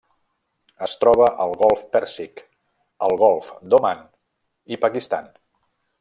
Es troba al Golf Pèrsic, el Golf d'Oman i Pakistan.